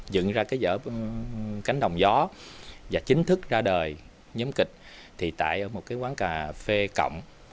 dựng ra cái giở cánh đồng gió và chính thức ra đời nhóm kịch thì tại một cái quán cà phê cộng